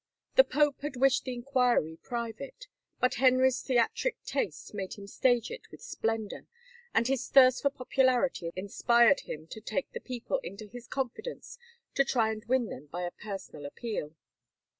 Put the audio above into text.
The pope had wished the inquiry pri vate, but Henry's theatric taste made him stage it with splendor, and his thirst for popularity inspired him to take the people into his confidence to try and win them by a personal appeal.